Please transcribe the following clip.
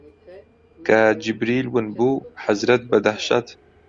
کە جیبریل ون بوو، حەزرەت بە دەهشەت